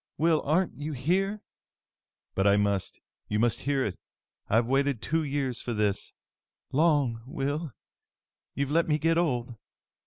Will, aren't you here?" "But I must! You must hear me! I've waited two years for this!" "Long, Will! You've let me get old!"